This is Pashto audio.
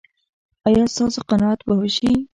ایا ستاسو قناعت به وشي؟